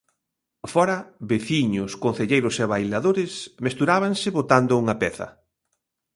Fóra, veciños, concelleiros e bailadores mesturábanse botando unha peza.